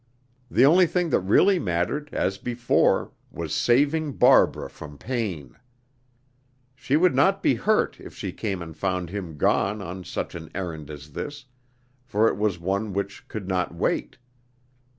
The only thing that really mattered, as before, was saving Barbara from pain. She would not be hurt if she came and found him gone on such an errand as this, for it was one which could not wait.